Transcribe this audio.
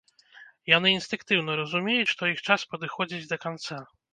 Яны інстынктыўна разумеюць, што іх час падыходзіць да канца.